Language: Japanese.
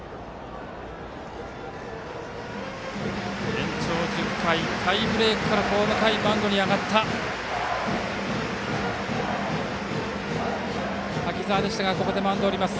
延長１０回タイブレークからマウンドに上がった滝沢でしたがここでマウンドを降ります。